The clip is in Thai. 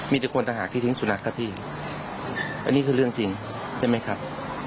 มีแต่คนต่างหากที่ทิ้งสุนัขครับพี่อันนี้คือเรื่องจริงใช่ไหมครับ